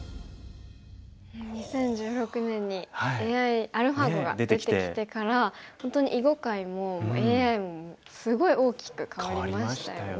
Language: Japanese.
２０１６年にアルファ碁が出てきてから本当に囲碁界もＡＩもすごい大きく変わりましたよね。